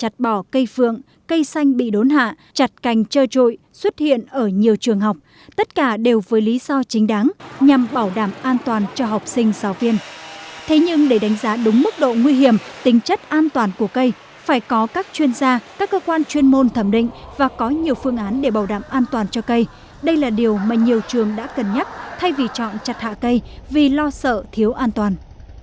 cây xanh đổ giữ bảo đảm an toàn cho cây đây là điều mà nhiều trường đã cân nhắc thay vì chọn chặt hạ cây vì lo sợ thiếu an toàn